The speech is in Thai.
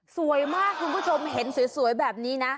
สวยมากคุณผู้ชมเห็นสวยแบบนี้นะ